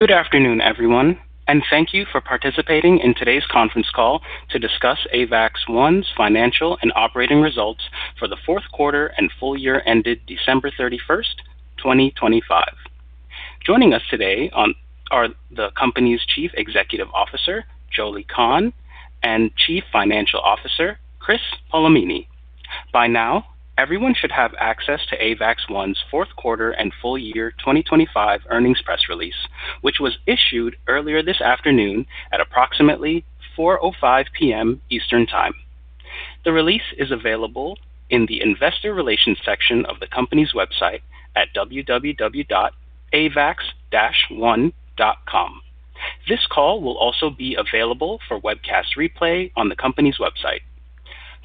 Good afternoon, everyone, and thank you for participating in today's conference call to discuss AVAX One's financial and operating results for the fourth quarter and full year ended December 31, 2025. Joining us today are the company's Chief Executive Officer, Jolie Kahn, and Chief Financial Officer, Chris Polimeni. By now, everyone should have access to AVAX One's fourth quarter and full year 2025 earnings press release, which was issued earlier this afternoon at approximately 4:05 P.M. Eastern Time. The release is available in the investor relations section of the company's website at avax-one.com. This call will also be available for webcast replay on the company's website.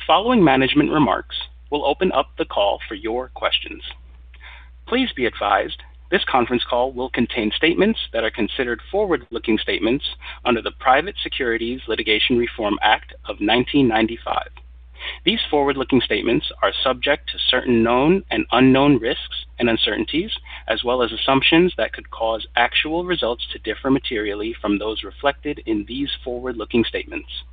Following management remarks, we'll open up the call for your questions. Please be advised, this conference call will contain statements that are considered forward-looking statements under the Private Securities Litigation Reform Act of 1995. These forward-looking statements are subject to certain known and unknown risks and uncertainties as well as assumptions that could cause actual results to differ materially from those reflected in these forward-looking statements.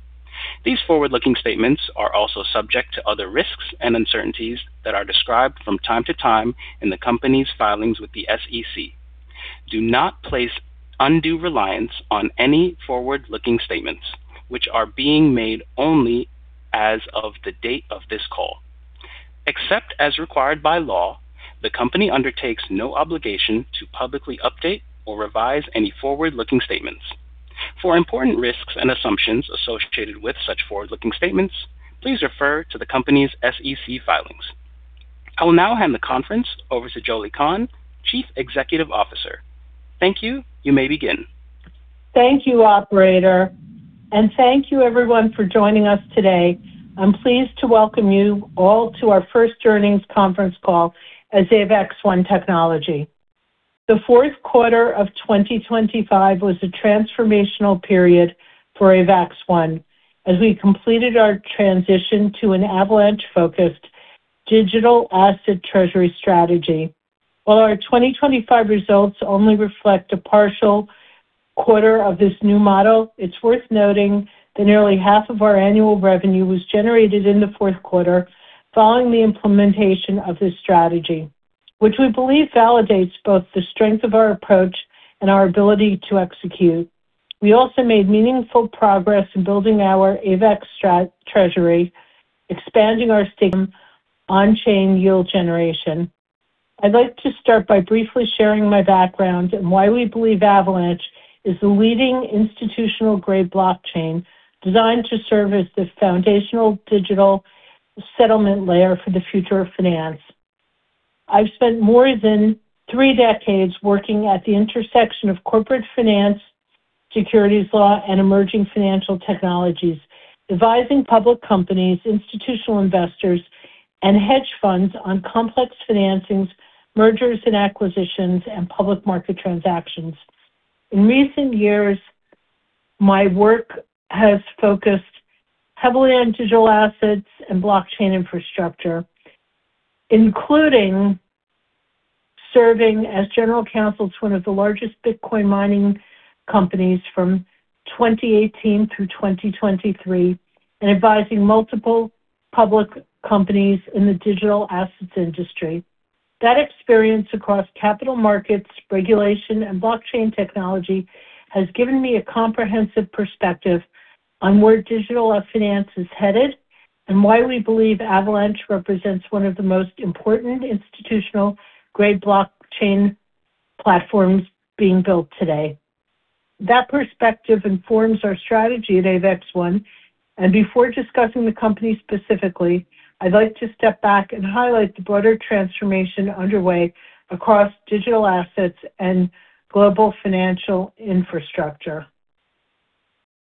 These forward-looking statements are also subject to other risks and uncertainties that are described from time to time in the company's filings with the SEC. Do not place undue reliance on any forward-looking statements which are being made only as of the date of this call. Except as required by law, the company undertakes no obligation to publicly update or revise any forward-looking statements. For important risks and assumptions associated with such forward-looking statements, please refer to the company's SEC filings. I will now hand the conference over to Jolie Kahn, Chief Executive Officer. Thank you. You may begin. Thank you, operator, and thank you everyone for joining us today. I'm pleased to welcome you all to our first earnings conference call as Avax One Technology. The fourth quarter of 2025 was a transformational period for Avax One as we completed our transition to an Avalanche-focused digital asset treasury strategy. While our 2025 results only reflect a partial quarter of this new model, it's worth noting that nearly half of our annual revenue was generated in the fourth quarter following the implementation of this strategy, which we believe validates both the strength of our approach and our ability to execute. We also made meaningful progress in building our AVAX treasury, expanding our stake on chain yield generation. I'd like to start by briefly sharing my background and why we believe Avalanche is the leading institutional-grade blockchain designed to serve as the foundational digital settlement layer for the future of finance. I've spent more than three decades working at the intersection of corporate finance, securities law, and emerging financial technologies, advising public companies, institutional investors, and hedge funds on complex financings, mergers and acquisitions, and public market transactions. In recent years, my work has focused heavily on digital assets and blockchain infrastructure, including serving as general counsel to one of the largest Bitcoin mining companies from 2018 through 2023 and advising multiple public companies in the digital assets industry. That experience across capital markets, regulation, and blockchain technology has given me a comprehensive perspective on where digital finance is headed and why we believe Avalanche represents one of the most important institutional-grade blockchain platforms being built today. That perspective informs our strategy at Avax One, and before discussing the company specifically, I'd like to step back and highlight the broader transformation underway across digital assets and global financial infrastructure.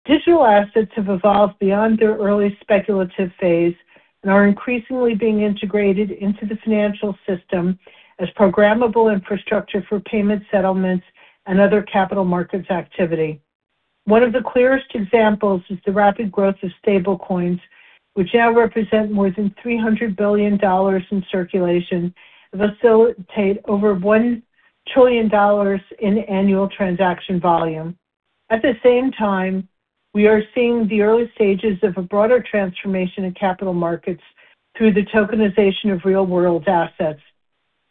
Digital assets have evolved beyond their early speculative phase and are increasingly being integrated into the financial system as programmable infrastructure for payment settlements and other capital markets activity. One of the clearest examples is the rapid growth of stablecoins, which now represent more than $300 billion in circulation, facilitate over $1 trillion in annual transaction volume. At the same time, we are seeing the early stages of a broader transformation in capital markets through the tokenization of real-world assets.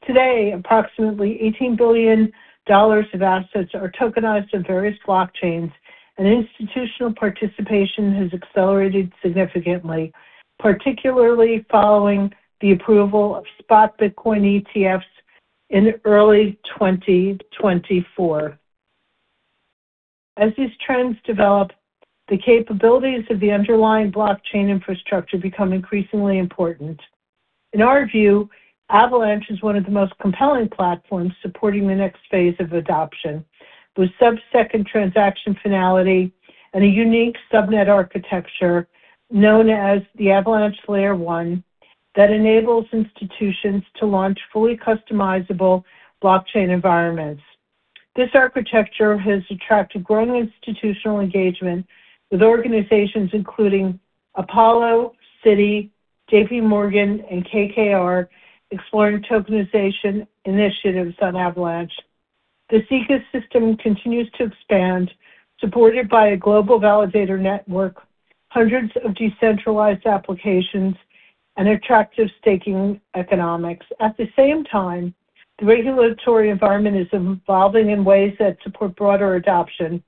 Today, approximately $18 billion of assets are tokenized on various blockchains, and institutional participation has accelerated significantly, particularly following the approval of spot Bitcoin ETFs in early 2024. As these trends develop, the capabilities of the underlying blockchain infrastructure become increasingly important. In our view, Avalanche is one of the most compelling platforms supporting the next phase of adoption with sub-second transaction finality and a unique subnet architecture known as the Avalanche Layer One that enables institutions to launch fully customizable blockchain environments. This architecture has attracted growing institutional engagement with organizations including Apollo, Citi, JPMorgan and KKR exploring tokenization initiatives on Avalanche. The ecosystem continues to expand, supported by a global validator network, hundreds of decentralized applications, and attractive staking economics. At the same time, the regulatory environment is evolving in ways that support broader adoption.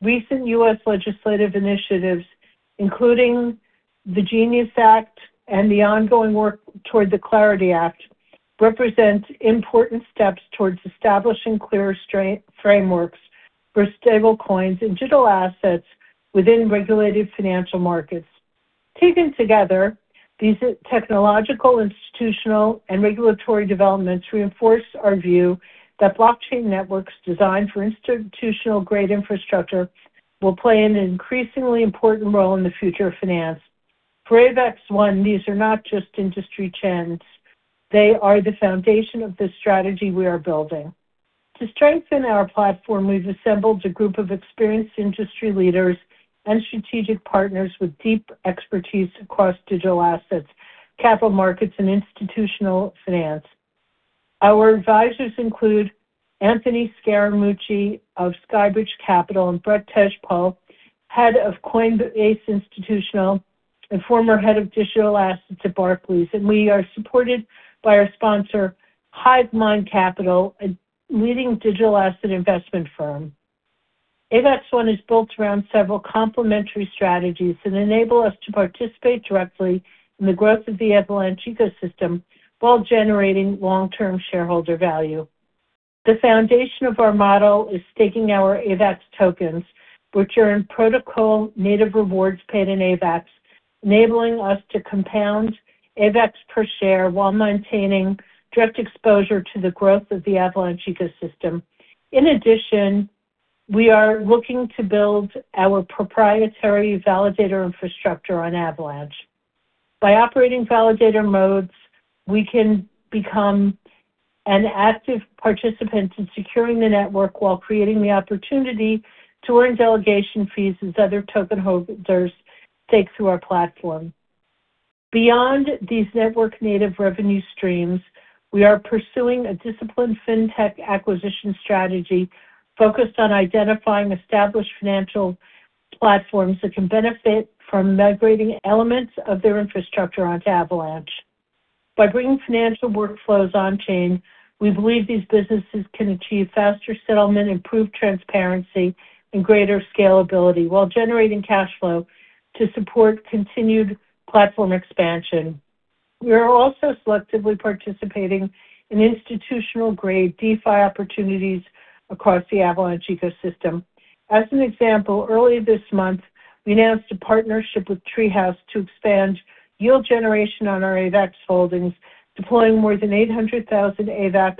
Recent U.S. legislative initiatives, including the GENIUS Act and the ongoing work toward the CLARITY Act, represent important steps towards establishing clearer frameworks for stablecoins and digital assets within regulated financial markets. Taken together, these technological, institutional, and regulatory developments reinforce our view that blockchain networks designed for institutional-grade infrastructure will play an increasingly important role in the future of finance. For AVAX One, these are not just industry trends, they are the foundation of the strategy we are building. To strengthen our platform, we've assembled a group of experienced industry leaders and strategic partners with deep expertise across digital assets, capital markets, and institutional finance. Our advisors include Anthony Scaramucci of SkyBridge Capital and Brett Tejpaul, Head of Coinbase Institutional and former Head of Digital Assets at Barclays. We are supported by our sponsor, Hivemind Capital, a leading digital asset investment firm. AVAX One is built around several complementary strategies that enable us to participate directly in the growth of the Avalanche ecosystem while generating long-term shareholder value. The foundation of our model is staking our AVAX tokens, which earn protocol native rewards paid in AVAX, enabling us to compound AVAX per share while maintaining direct exposure to the growth of the Avalanche ecosystem. In addition, we are looking to build our proprietary validator infrastructure on Avalanche. By operating validator nodes, we can become an active participant in securing the network while creating the opportunity to earn delegation fees as other token holders stake through our platform. Beyond these network-native revenue streams, we are pursuing a disciplined fintech acquisition strategy focused on identifying established financial platforms that can benefit from migrating elements of their infrastructure onto Avalanche. By bringing financial workflows on-chain, we believe these businesses can achieve faster settlement, improved transparency, and greater scalability while generating cash flow to support continued platform expansion. We are also selectively participating in institutional-grade DeFi opportunities across the Avalanche ecosystem. As an example, earlier this month, we announced a partnership with Treehouse to expand yield generation on our AVAX holdings, deploying more than 800,000 AVAX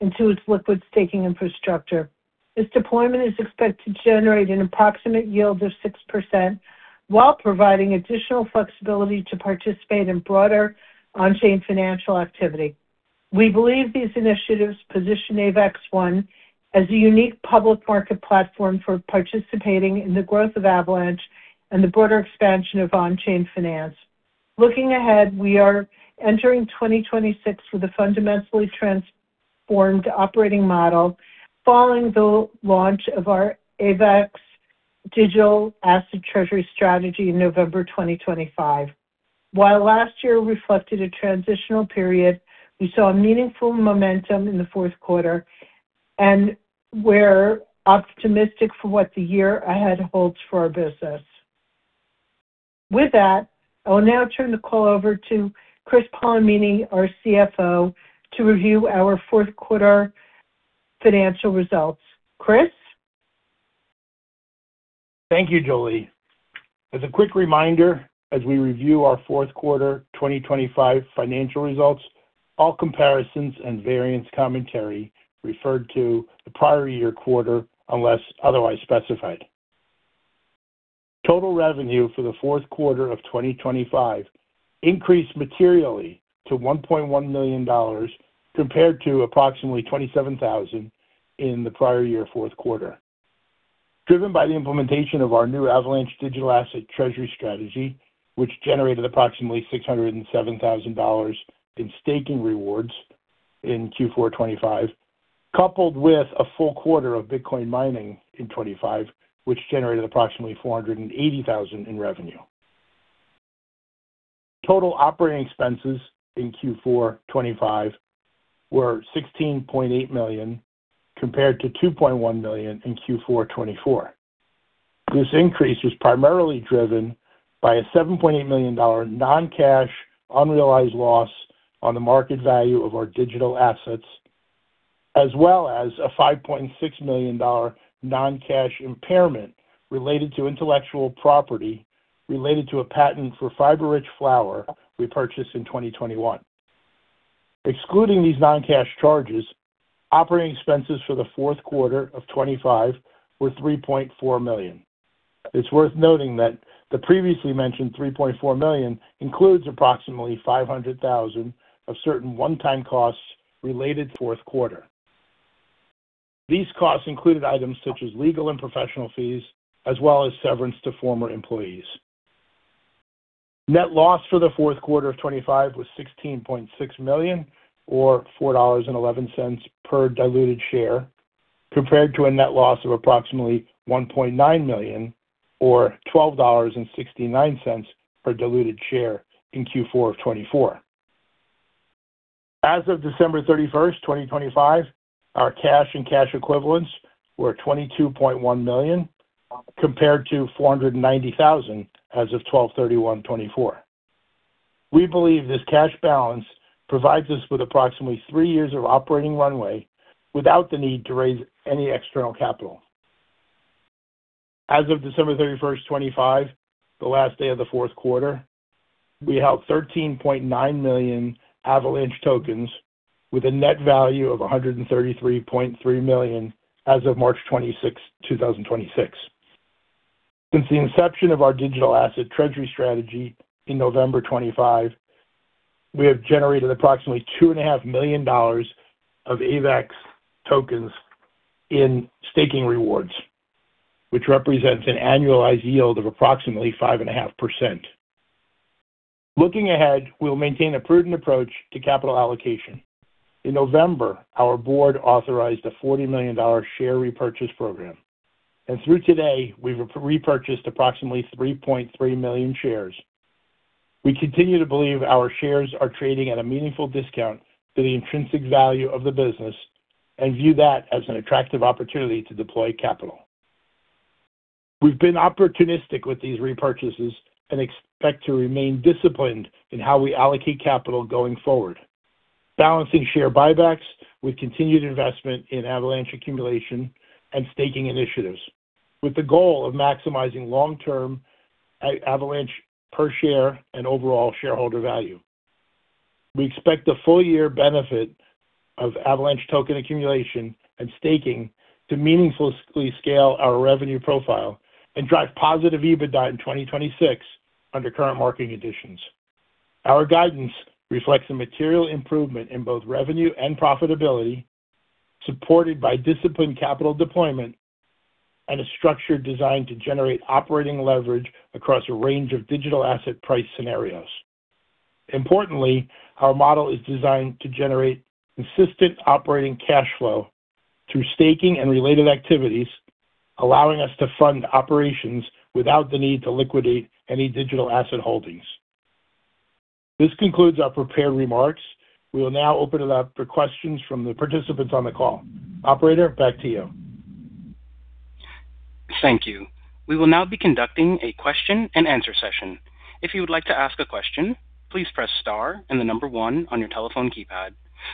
into its liquid staking infrastructure. This deployment is expected to generate an approximate yield of 6% while providing additional flexibility to participate in broader on-chain financial activity. We believe these initiatives position AVAX One as a unique public market platform for participating in the growth of Avalanche and the broader expansion of on-chain finance. Looking ahead, we are entering 2026 with a fundamentally transformed operating model following the launch of our AVAX digital asset treasury strategy in November 2025. While last year reflected a transitional period, we saw meaningful momentum in the fourth quarter, and we're optimistic for what the year ahead holds for our business. With that, I will now turn the call over to Chris Polimeni, our CFO, to review our fourth quarter financial results. Chris. Thank you, Jolie. As a quick reminder, as we review our fourth quarter 2025 financial results, all comparisons and variance commentary referred to the prior year quarter, unless otherwise specified. Total revenue for the fourth quarter of 2025 increased materially to $1.1 million compared to approximately $27,000 in the prior year fourth quarter. Driven by the implementation of our new Avalanche digital asset treasury strategy, which generated approximately $607,000 in staking rewards in Q4 2025, coupled with a full quarter of Bitcoin mining in 2025, which generated approximately $480,000 in revenue. Total operating expenses in Q4 2025 were $16.8 million, compared to $2.1 million in Q4 2024. This increase was primarily driven by a $7.8 million non-cash unrealized loss on the market value of our digital assets, as well as a $5.6 million non-cash impairment related to intellectual property related to a patent for fiber-rich flour we purchased in 2021. Excluding these non-cash charges, operating expenses for the fourth quarter of 2025 were $3.4 million. It's worth noting that the previously mentioned $3.4 million includes approximately $500,000 of certain one-time costs related to the fourth quarter. These costs included items such as legal and professional fees, as well as severance to former employees. Net loss for the fourth quarter of 2025 was $16.6 million, or $4.11 per diluted share, compared to a net loss of approximately $1.9 million, or $12.69 per diluted share in Q4 of 2024. As of December 31, 2025, our cash and cash equivalents were $22.1 million, compared to $490,000 as of 12/31/2024. We believe this cash balance provides us with approximately three years of operating runway without the need to raise any external capital. As of December 31, 2025, the last day of the fourth quarter, we held 13.9 million Avalanche tokens with a net value of $133.3 million as of March 26, 2026. Since the inception of our digital asset treasury strategy in November 2025, we have generated approximately two and a half million dollars of AVAX tokens in staking rewards, which represents an annualized yield of approximately 5.5%. Looking ahead, we'll maintain a prudent approach to capital allocation. In November, our board authorized a $40 million share repurchase program, and through today, we've repurchased approximately 3.3 million shares. We continue to believe our shares are trading at a meaningful discount to the intrinsic value of the business and view that as an attractive opportunity to deploy capital. We've been opportunistic with these repurchases and expect to remain disciplined in how we allocate capital going forward. Balancing share buybacks with continued investment in Avalanche accumulation and staking initiatives with the goal of maximizing long-term Avalanche per share and overall shareholder value. We expect the full year benefit of Avalanche token accumulation and staking to meaningfully scale our revenue profile and drive positive EBITDA in 2026 under current marketing conditions. Our guidance reflects a material improvement in both revenue and profitability, supported by disciplined capital deployment and a structure designed to generate operating leverage across a range of digital asset price scenarios. Importantly, our model is designed to generate consistent operating cash flow through staking and related activities, allowing us to fund operations without the need to liquidate any digital asset holdings. This concludes our prepared remarks. We will now open it up for questions from the participants on the call. Operator, back to you. Thank you. We will now be conducting a question and answer session. If you would like to ask a question, please press star and one on your telephone keypad.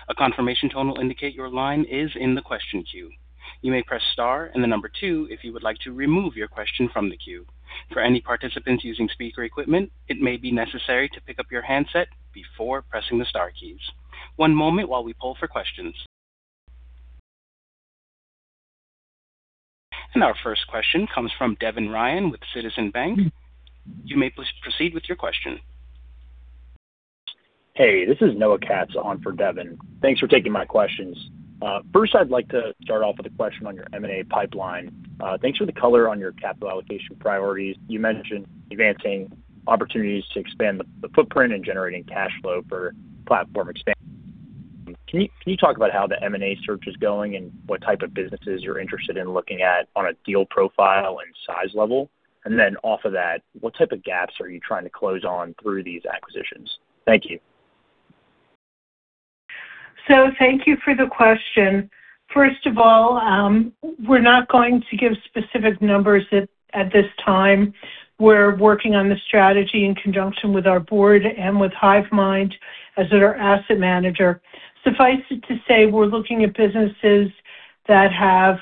A confirmation tone will indicate your line is in the question queue. You may press star and two if you would like to remove your question from the queue. For any participants using speaker equipment, it may be necessary to pick up your handset before pressing the star keys. One moment while we poll for questions. Our first question comes from Devin Ryan with Citizens JMP. You may please proceed with your question. Hey, this is Noah Katz on for Devin Ryan. Thanks for taking my questions. First I'd like to start off with a question on your M&A pipeline. Thanks for the color on your capital allocation priorities. You mentioned advancing opportunities to expand the footprint and generating cash flow for platform expansion. Can you talk about how the M&A search is going and what type of businesses you're interested in looking at on a deal profile and size level? Then off of that, what type of gaps are you trying to close on through these acquisitions? Thank you. Thank you for the question. First of all, we're not going to give specific numbers at this time. We're working on the strategy in conjunction with our board and with Hivemind as our asset manager. Suffice it to say, we're looking at businesses that have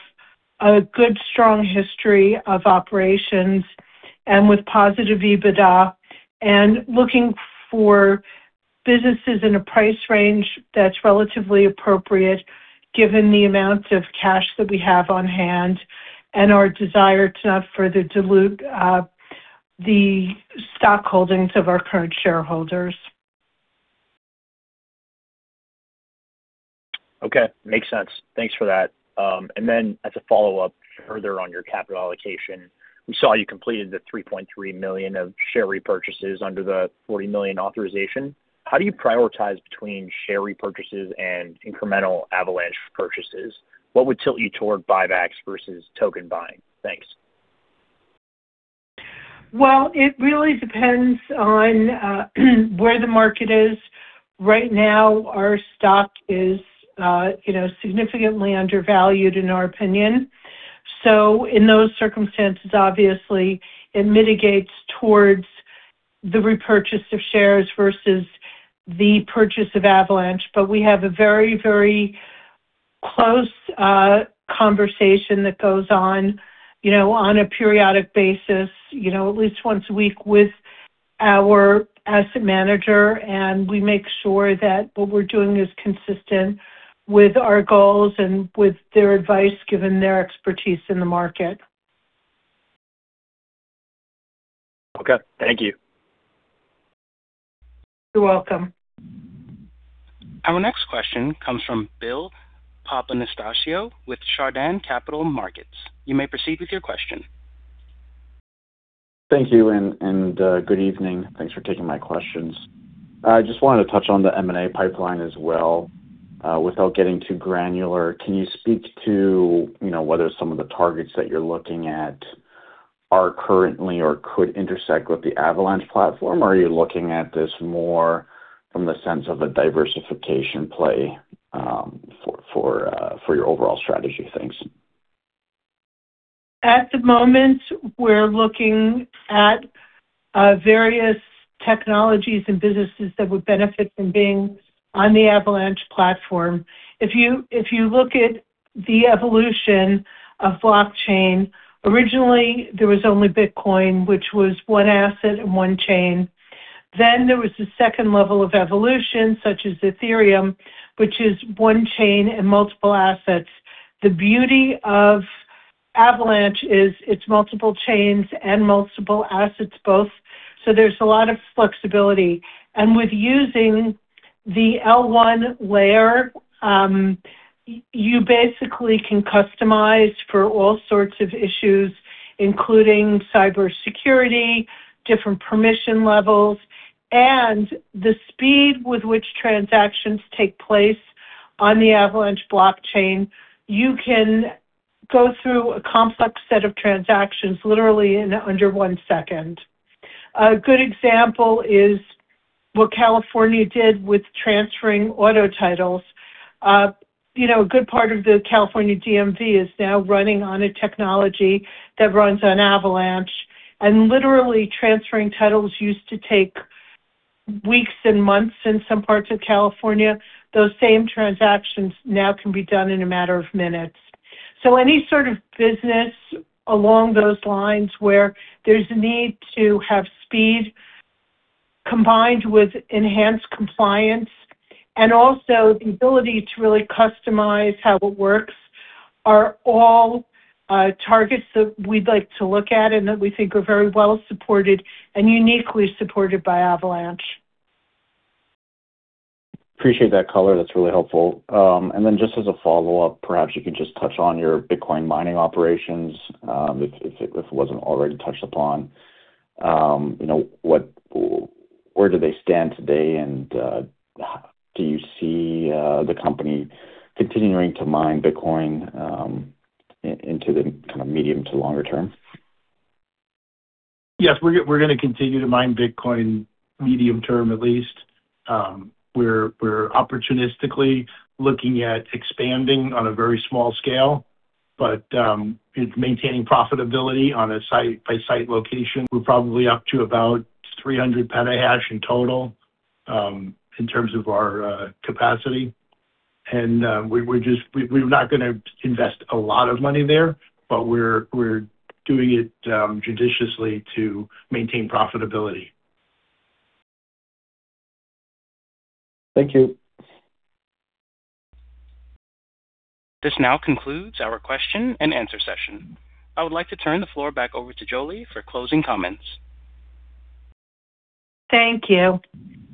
a good, strong history of operations and with positive EBITDA and looking for businesses in a price range that's relatively appropriate given the amount of cash that we have on hand and our desire to not further dilute the stock holdings of our current shareholders. Okay. Makes sense. Thanks for that. As a follow-up further on your capital allocation, we saw you completed the $3.3 million of share repurchases under the $40 million authorization. How do you prioritize between share repurchases and incremental Avalanche purchases? What would tilt you toward buybacks versus token buying? Thanks. Well, it really depends on where the market is. Right now, our stock is, you know, significantly undervalued in our opinion. In those circumstances, obviously, it mitigates towards the repurchase of shares versus the purchase of Avalanche. We have a very, very close conversation that goes on, you know, on a periodic basis, you know, at least once a week with our asset manager, and we make sure that what we're doing is consistent with our goals and with their advice, given their expertise in the market. Okay, thank you. You're welcome. Our next question comes from Bill Papanastasiou with Chardan Capital Markets. You may proceed with your question. Thank you, good evening. Thanks for taking my questions. I just wanted to touch on the M&A pipeline as well. Without getting too granular, can you speak to, you know, whether some of the targets that you're looking at are currently or could intersect with the Avalanche platform? Or are you looking at this more from the sense of a diversification play, for your overall strategy? Thanks. At the moment, we're looking at various technologies and businesses that would benefit from being on the Avalanche platform. If you look at the evolution of blockchain, originally there was only Bitcoin, which was one asset and one chain. Then there was the second level of evolution, such as Ethereum, which is one chain and multiple assets. The beauty of Avalanche is it's multiple chains and multiple assets both, so there's a lot of flexibility. With using the L1 layer, you basically can customize for all sorts of issues, including cybersecurity, different permission levels, and the speed with which transactions take place on the Avalanche blockchain. You can go through a complex set of transactions literally in under one second. A good example is what California did with transferring auto titles. You know, a good part of the California DMV is now running on a technology that runs on Avalanche. Literally transferring titles used to take weeks and months in some parts of California. Those same transactions now can be done in a matter of minutes. Any sort of business along those lines where there's a need to have speed combined with enhanced compliance and also the ability to really customize how it works are all targets that we'd like to look at and that we think are very well-supported and uniquely supported by Avalanche. Appreciate that color. That's really helpful. Just as a follow-up, perhaps you could just touch on your Bitcoin mining operations, if it wasn't already touched upon. You know, where do they stand today and do you see the company continuing to mine Bitcoin into the kind of medium to longer term? Yes. We're gonna continue to mine Bitcoin medium term at least. We're opportunistically looking at expanding on a very small scale, but it's maintaining profitability on a site-by-site location. We're probably up to about 300 petahash in total, in terms of our capacity. We're not gonna invest a lot of money there, but we're doing it judiciously to maintain profitability. Thank you. This now concludes our question and answer session. I would like to turn the floor back over to Jolie for closing comments. Thank you.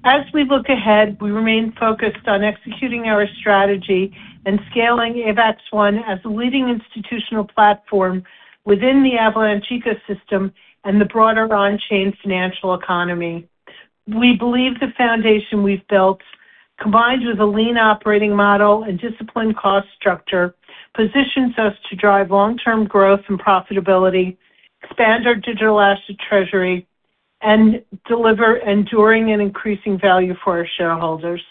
As we look ahead, we remain focused on executing our strategy and scaling AVAX One as a leading institutional platform within the Avalanche ecosystem and the broader on-chain financial economy. We believe the foundation we've built, combined with a lean operating model and disciplined cost structure, positions us to drive long-term growth and profitability, expand our digital asset treasury, and deliver enduring and increasing value for our shareholders.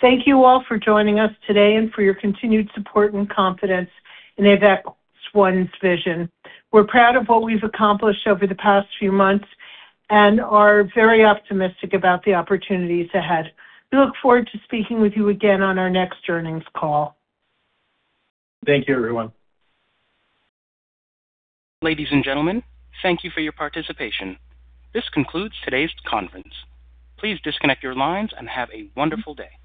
Thank you all for joining us today and for your continued support and confidence in AVAX One's vision. We're proud of what we've accomplished over the past few months and are very optimistic about the opportunities ahead. We look forward to speaking with you again on our next earnings call. Thank you, everyone. Ladies and gentlemen, thank you for your participation. This concludes today's conference. Please disconnect your lines and have a wonderful day.